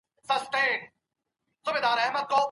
یوازې په یوه نظر مه درېږئ.